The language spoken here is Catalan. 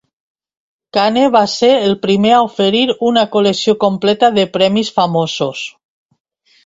Kane va ser el primer a oferir una col·lecció completa de primers famosos.